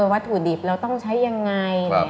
วัตถุดิบเราต้องใช้ยังไง